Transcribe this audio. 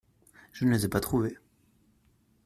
Je ne les ai pas trouvés.